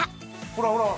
ほらほら。